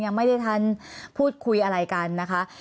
ยังไม่ได้ทันพูดคุยอะไรกันนะคะ